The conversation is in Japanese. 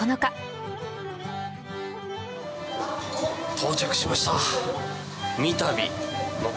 到着しました三度。